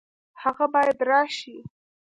هغه باید راشي